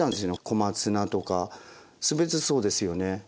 小松菜とか全てそうですよね。